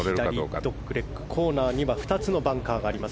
左ドッグレッグコーナーには２つのバンカーがあります。